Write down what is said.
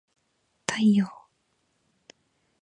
太陽